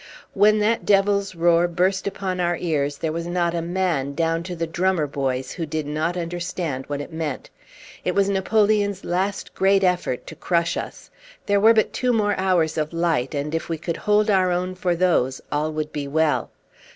When that devil's roar burst upon our ears there was not a man, down to the drummer boys, who did not understand what it meant. It was Napoleon's last great effort to crush us. There were but two more hours of light, and if we could hold our own for those all would be well.